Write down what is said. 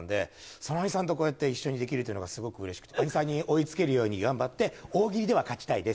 その兄さんとできるというのがすごくうれしくて、兄さんに近づけるように頑張って、大喜利では勝ちたいです。